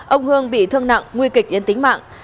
ông hương bị thương nặng nguy kịch đến tính mạng